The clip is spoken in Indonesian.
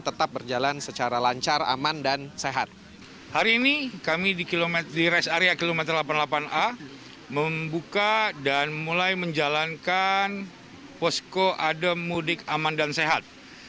tetap berjalan secara lancar aman dan sehat